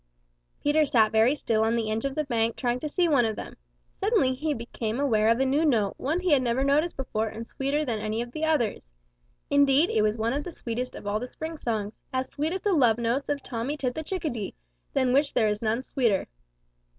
Peter sat very still on the edge of the bank trying to see one of them. Suddenly he became aware of a new note, one he never had noticed before and sweeter than any of the others. Indeed it was one of the sweetest of all the spring songs, as sweet as the love notes of Tommy Tit the Chickadee, than which there is none sweeter.